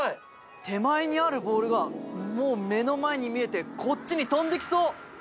手前にあるボールがもう目の前に見えてこっちに飛んできそう！